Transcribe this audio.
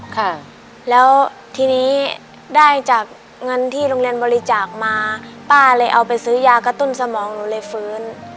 ค่ะแล้วทีนี้ได้จากเงินที่โรงเรียนบริจาคมาป้าเลยเอาไปซื้อยากระตุ้นสมองหนูเลยฟื้น